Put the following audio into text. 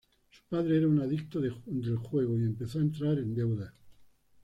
Su padre era un adicto de juego y empezó a entrar en deuda.